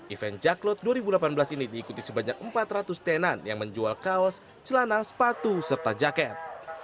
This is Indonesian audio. event jack clot dua ribu delapan belas ini diikuti sebanyak empat ratus tenan yang menjual kaos celana sepatu serta jaket